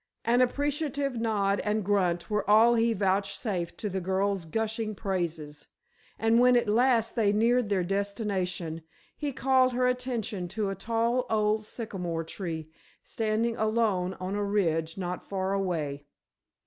An appreciative nod and grunt were all he vouchsafed to the girl's gushing praises, and when at last they neared their destination he called her attention to a tall old sycamore tree standing alone on a ridge not far away.